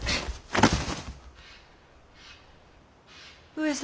上様